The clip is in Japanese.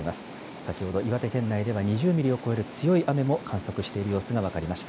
先ほど岩手県内では、２０ミリを超える強い雨も観測している様子が分かりました。